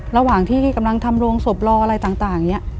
ระหว่างที่กำลังทำโรงศพรออะไรต่าง